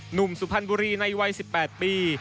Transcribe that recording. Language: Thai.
หนุ่มสุพรรณบุรีในวัย๑๘ปี